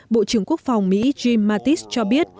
bộ trưởng quốc phòng mỹ jim mattis cho biết